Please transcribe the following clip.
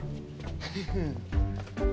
フフフッ。